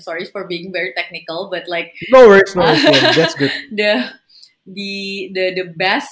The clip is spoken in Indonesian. maaf untuk berbicara teknis